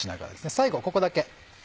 最後ここだけ。